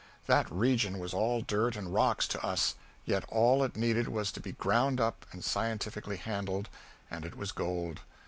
That region was all dirt and rocks to us, yet all it needed was to be ground up and scientifically handled and it was gold.